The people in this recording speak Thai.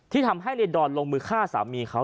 ที่ทำให้ในดอนลงมือฆ่าสามีเขา